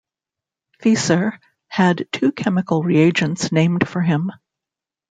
Fieser had two chemical reagents named for him.